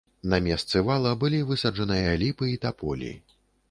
На месцы вала былі высаджаныя ліпы і таполі.